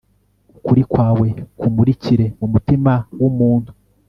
Ukuri kwawe kumurikire mumutima wumuntu